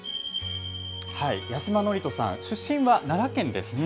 八嶋智人さん、出身は奈良県です。